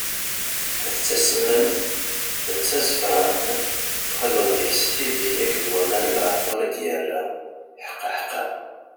D tasemmamt, d tazefrant, texleḍ deg-s tidi akked waman n leɛṭer i d-yerra, ḥqaḥqa!